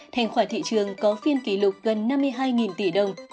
thành khoản thị trường có phiên kỷ lục gần năm mươi hai tỷ đồng